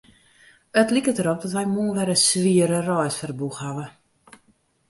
It liket derop dat wy moarn wer in swiere reis foar de boech hawwe.